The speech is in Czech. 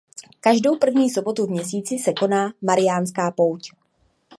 Každou první sobotu v měsíci se koná mariánská pouť.